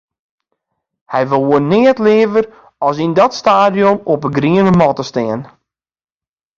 Hy woe neat leaver as yn dat stadion op 'e griene matte stean.